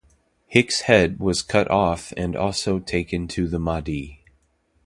Hicks's head was cut off and taken to the Mahdi.